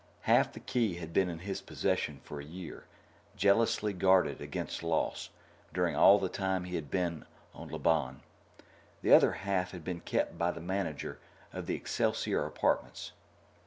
Half the key had been in his possession for a year, jealousy guarded against loss during all the time he had been on Lobon; the other half had been kept by the manager of the Excelsior Apartments.